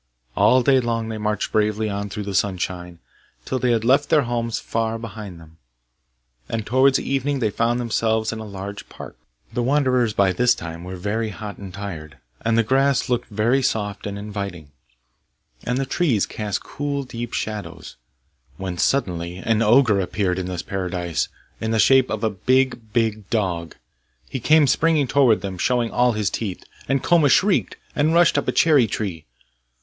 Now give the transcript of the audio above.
All day long they marched bravely on through the sunshine, till they had left their homes far behind them, and towards evening they found themselves in a large park. The wanderers by this time were very hot and tired, and the grass looked very soft and inviting, and the trees cast cool deep shadows, when suddenly an ogre appeared in this Paradise, in the shape of a big, big dog! He came springing towards them showing all his teeth, and Koma shrieked, and rushed up a cherry tree.